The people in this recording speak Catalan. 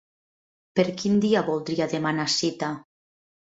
Per quin dia voldria demanar cita?